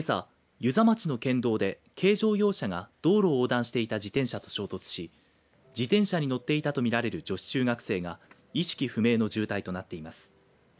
遊佐町の県道で軽乗用車が道路を横断していた自転車と衝突し自転車に乗っていたとみられる女子中学生が意識不明の重体となっています。